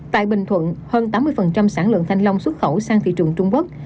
tại bình thuận hơn tám mươi sản lượng thanh long xuất khẩu sang thị trường trung quốc